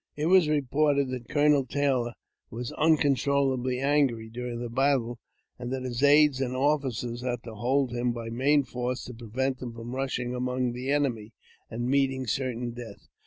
It was reported that Colonel Taylor was uncontrollably angry during the battle, and that his aids and other ofl&cers had to hold him by main force to prevent him from rushing among the enemy, and meeting certain death.